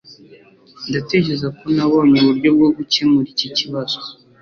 Ndatekereza ko nabonye uburyo bwo gukemura iki kibazo.